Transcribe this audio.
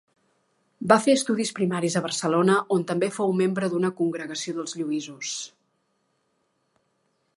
Va fer estudis primaris a Barcelona, on també fou membre d'una congregació dels Lluïsos.